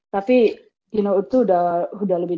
tapi you know itu udah lebih